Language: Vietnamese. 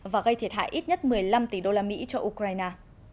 và gây thiệt hại ít nhất một mươi năm tỷ đô la mỹ cho ukraine